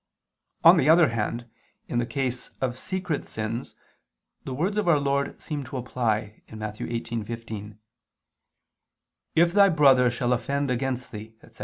On the other hand, in the case of secret sins, the words of Our Lord seem to apply (Matt. 18:15): "If thy brother shall offend against thee," etc.